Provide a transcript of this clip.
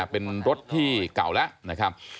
เป็นรถที่เก่าแล้วนะครับ